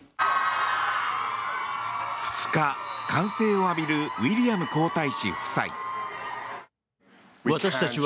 ２日、歓声を浴びるウィリアム皇太子夫妻。